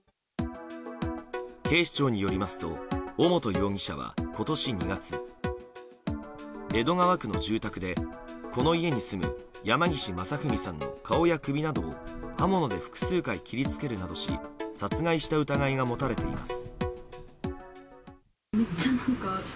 警視庁によりますと尾本容疑者は今年２月江戸川区の住宅で、この家に住む山岸正文さんの顔や首などを刃物で複数回切りつけるなどし殺害した疑いが持たれています。